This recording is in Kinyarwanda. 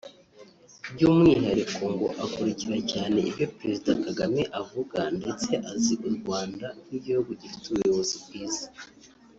By’umwihariko ngo akurikira cyane ibyo Perezida Kagame avuga ndetse azi u Rwanda nk’igihugu gifite ubuyobozi bwiza